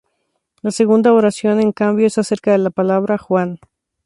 La segunda oración, en cambio, es acerca de "la palabra" "Juan".